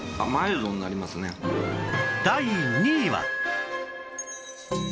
第２位は